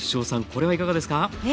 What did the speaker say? これはいかがですか？